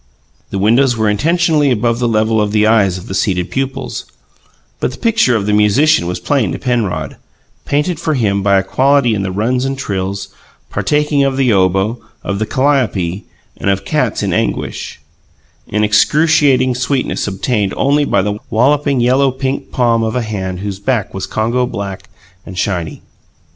The windows were intentionally above the level of the eyes of the seated pupils; but the picture of the musician was plain to Penrod, painted for him by a quality in the runs and trills, partaking of the oboe, of the calliope, and of cats in anguish; an excruciating sweetness obtained only by the wallowing, walloping yellow pink palm of a hand whose back was Congo black and shiny.